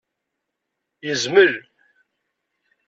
Yezmel?